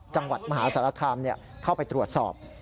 จังหวัดมหาสารคามเข้าไปตรวจสอบ